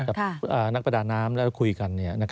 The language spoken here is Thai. กับนักประดาน้ำแล้วคุยกัน